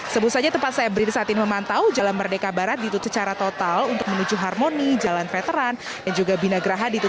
sebesarnya tempat saya beririsatin memantau jalan merdeka barat ditutup secara total untuk menuju harmoni jalan veteran dan juga binagraha ditutup